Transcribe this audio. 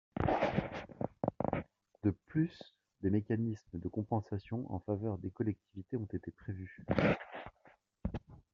De plus, des mécanismes de compensation en faveur des collectivités ont été prévus.